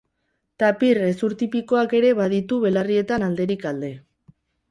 Tapir hezur tipikoak ere baditu belarrietan alderik alde.